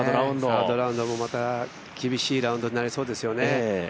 サードラウンドもまた厳しいラウンドになりそうですよね。